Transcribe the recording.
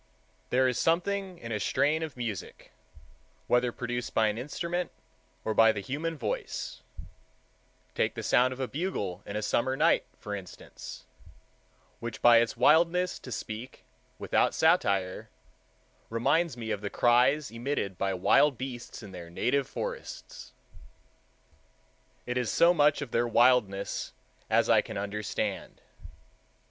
There is something in a strain of music, whether produced by an instrument or by the human voice—take the sound of a bugle in a summer night, for instance,—which by its wildness, to speak without satire, reminds me of the cries emitted by wild beasts in their native forests. It is so much of their wildness as I can understand.